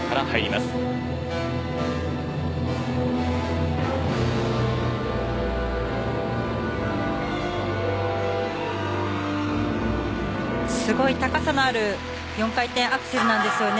すごい高さのある４回転アクセルなんですよね。